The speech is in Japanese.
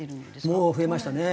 もう増えましたね。